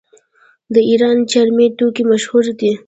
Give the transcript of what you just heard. د ایران چرمي توکي مشهور دي.